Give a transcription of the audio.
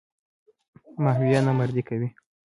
ماهویه نامردي کوي.